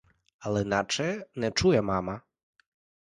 Але наче не чує мама.